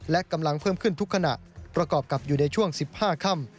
และกำลังเพิ่มขึ้นทุกขณะประกอบกับอยู่ในช่วง๑๕ค่ำ